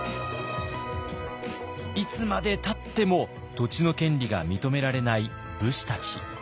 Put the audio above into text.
いつまでたっても土地の権利が認められない武士たち。